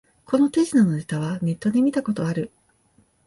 この手品のネタはネットで見たことある